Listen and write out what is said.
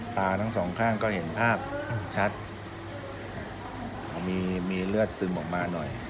ตาทั้งสองข้างก็เห็นภาพชัดมีเลือดซึมออกมาหน่อย